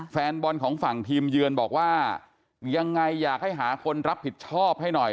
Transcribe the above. แฟนบอลของฝั่งทีมเยือนบอกว่ายังไงอยากให้หาคนรับผิดชอบให้หน่อย